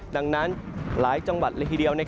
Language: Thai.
ดังนั้นหลายจังหวัดละทีเดียว